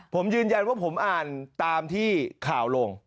ผมยืนยันว่าผมอ่านตามที่ข่าวลง